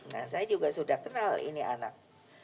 nah saya juga sudah kenal ini anak